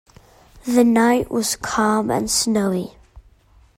The night was calm and snowy.